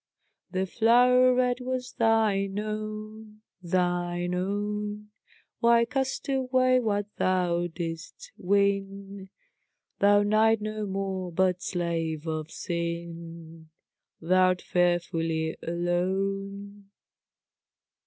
The flow'ret was thine own, thine own, Why cast away what thou didst win? Thou knight no more, but slave of sin, Thou'rt fearfully alone!"